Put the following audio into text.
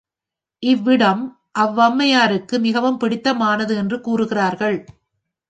இவ்விடம் இவ்வம்மையாருக்கு மிகவும் பிடித்தமானது என்று கூறுகிறார்கள்.